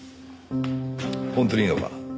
本当にいいのか？